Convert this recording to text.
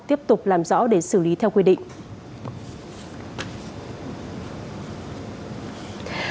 tiếp tục làm rõ để xử lý theo quy định